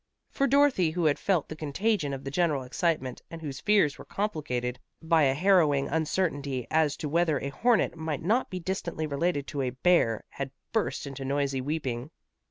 For Dorothy who had felt the contagion of the general excitement, and whose fears were complicated by a harrowing uncertainty as to whether a hornet might not be distantly related to a bear, had burst into noisy weeping.